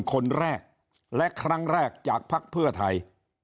คนแรกและครั้งแรกจากภักดิ์เพื่อไทย